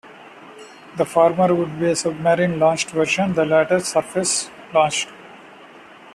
The former would be a submarine-launched version, the latter surface-launched.